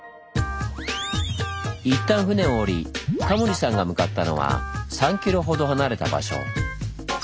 一旦船を降りタモリさんが向かったのは３ｋｍほど離れた場所。